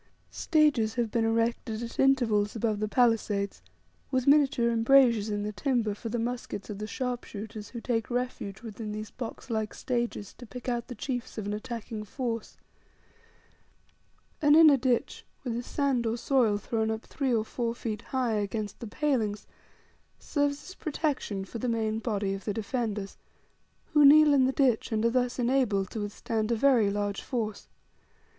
Stages have been erected at intervals above the palisades with miniature embrasures in the timber, for the muskets of the sharpshooters, who take refuge within these box like stages to pick out the chiefs of an attacking force. An inner ditch, with the sand or soil thrown up three or four feet high against the palings, serves as protection for the main body of the defenders, who kneel in the ditch, and are thus enabled to withstand a very large force.